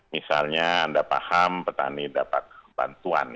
misalnya anda paham petani dapat bantuan